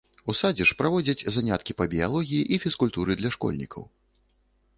У садзе ж праводзяць заняткі па біялогіі і фізкультуры для школьнікаў.